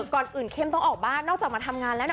ก่อนอื่นเข้มต้องออกบ้านนอกจากมาทำงานแล้วนะ